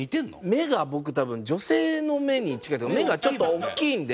目が僕多分女性の目に近いというか目がちょっと大きいので。